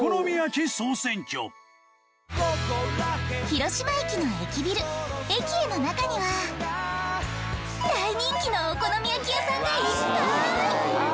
広島駅の駅ビルｅｋｉｅの中には大人気のお好み焼き屋さんがいっぱい！